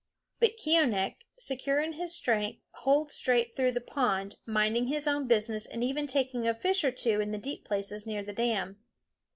But Keeonekh, secure in his strength, holds straight through the pond, minding his own business and even taking a fish or two in the deep places near the dam.